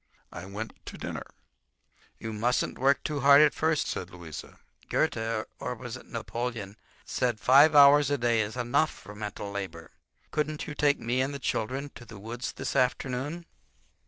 I went to dinner. "You mustn't work too hard at first," said Louisa. "Goethe—or was it Napoleon?—said five hours a day is enough for mental labor. Couldn't you take me and the children to the woods this afternoon?"